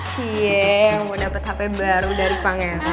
si ye yang mau dapet hp baru dari pangeran